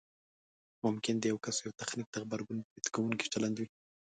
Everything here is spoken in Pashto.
ممکن د یو کس یوه تخنیک ته غبرګون برید کوونکی چلند وي